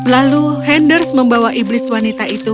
lalu henders membawa iblis wanita itu